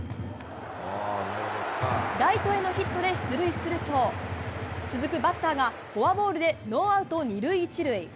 ライトへのヒットで出塁すると続くバッターがフォアボールでノーアウト２塁１塁。